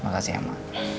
makasih ya emma